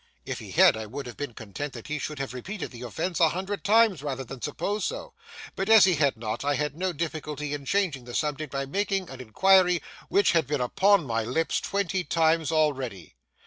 If he had, I would have been content that he should have repeated the offence a hundred times rather than suppose so; but as he had not, I had no difficulty in changing the subject by making an inquiry which had been upon my lips twenty times already.